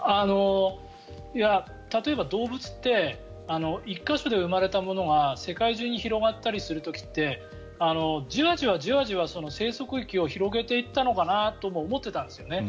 例えば、動物って１か所で生まれたものが世界中に広がったりする時にじわじわじわじわ生息域を広げていったのかなとも思っていたんですよね。